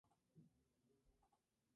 Mandarina Productora